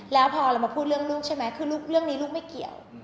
แล้วพอเรามาพูดเรื่องลูกใช่ไหมคือเรื่องนี้ลูกไม่เกี่ยว